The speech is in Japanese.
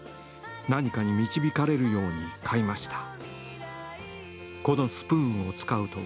何かに導かれるように買いました。